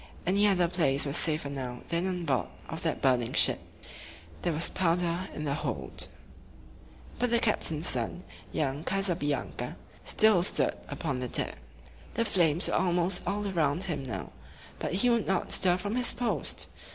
Any other place was safer now than on board of that burning ship. There was powder in the hold. But the captain's son, young Ca sa bi an´ca, still stood upon the deck. The flames were almost all around him now; but he would not stir from his post.